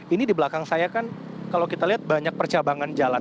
ini di belakang saya kan kalau kita lihat banyak percabangan jalan